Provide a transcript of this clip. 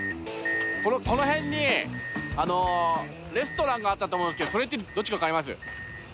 この辺にレストランがあったと思うんですけどそれってどっちかわかります？